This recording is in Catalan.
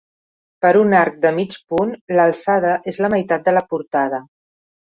Per a un arc de mig punt, l'alçada és la meitat de la portada.